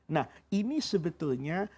nah ini sebetulnya